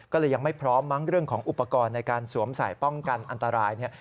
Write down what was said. ก็เลยยังไม่พร้อมมั้งเรื่องของอุปกรณ์ในการสวมใส่ป้องกันอันตรายเนี่ย